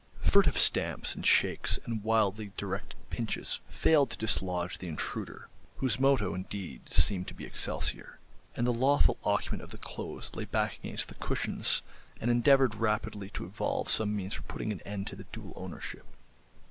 Furtive stamps and shakes and wildly directed pinches failed to dislodge the intruder, whose motto, indeed, seemed to be Excelsior; and the lawful occupant of the clothes lay back against the cushions and endeavoured rapidly to evolve some means for putting an end to the dual ownership.